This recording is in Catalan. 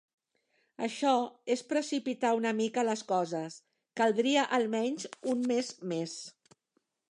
Això és precipitar una mica les coses, caldria almenys un mes més.